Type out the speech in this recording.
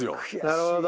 なるほど。